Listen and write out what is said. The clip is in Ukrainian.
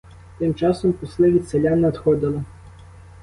Тим часом посли від селян надходили.